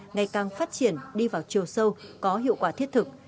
ngày càng phát triển đi vào chiều sâu có hiệu quả thiết thực